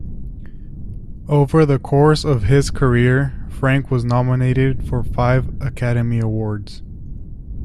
Over the course of his career, Frank was nominated for five Academy Awards.